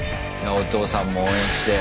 お父さんも応援して。